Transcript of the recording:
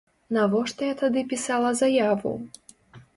Навошта я тады пісала заяву?